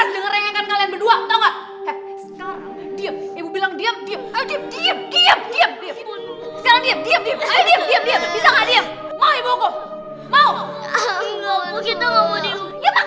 saya lupa berdua di kamunya